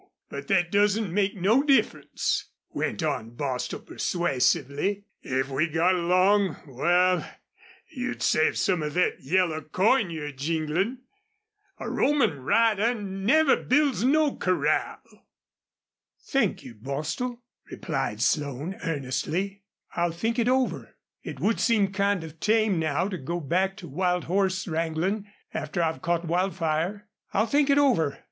But thet doesn't make no difference," went on Bostil, persuasively. "If we got along wal, you'd save some of thet yellow coin you're jinglin'. A roamin' rider never builds no corral!" "Thank you, Bostil," replied Slone, earnestly. "I'll think it over. It would seem kind of tame now to go back to wild horse wranglin', after I've caught Wildfire. I'll think it over.